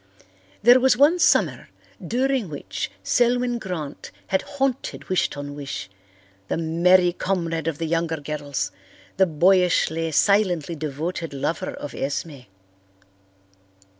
There was one summer during which Selwyn Grant had haunted Wish ton wish, the merry comrade of the younger girls, the boyishly, silently devoted lover of Esme.